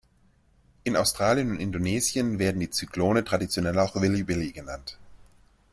In Australien und Indonesien werden die Zyklone traditionell auch „Willy-Willy“ genannt.